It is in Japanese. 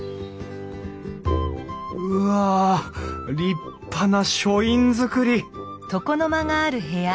うわ立派な書院造り！